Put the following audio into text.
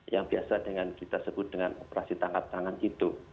yang biasa dengan kita sebut dengan operasi tangkap tangan itu